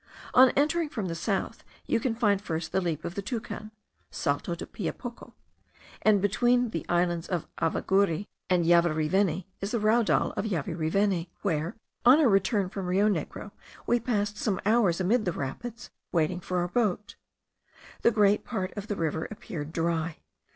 On entering from the south you find first the Leap of the Toucan (Salto del Piapoco); and between the islands of Avaguri and Javariveni is the Raudal of Javariveni, where, on our return from Rio Negro, we passed some hours amid the rapids, waiting for our boat. A great part of the river appeared dry.